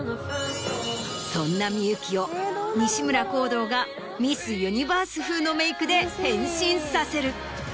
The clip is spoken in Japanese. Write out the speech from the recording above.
そんな幸を西村宏堂がミス・ユニバース風のメイクで変身させる。